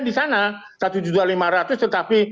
disana satu juta lima ratus tetapi